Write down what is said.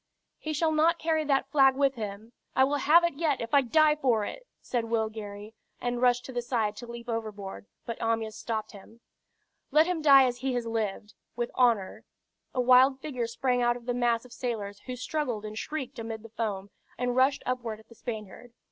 "He shall not carry that flag with him! I will have it yet, if I die for it!" said Will Gary, and rushed to the side to leap overboard, but Amyas stopped him. "Let him die as he has lived, with honor." A wild figure sprang out of the mass of sailors who struggled and shrieked amid the foam, and rushed upward at the Spaniard.